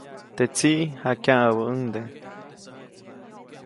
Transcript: Teʼ tsiʼ jakyaʼäbäʼuŋde.